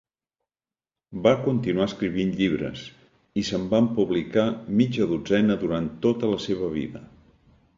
Va continuar escrivint llibres, i se'n van publicar mitja dotzena durant tota la seva vida.